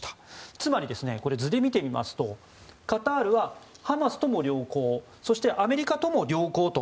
つまり、図で見てみますとカタールはハマスとも良好そして、アメリカとも良好と。